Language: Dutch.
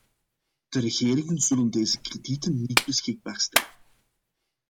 De regeringen zullen deze kredieten niet beschikbaar stellen!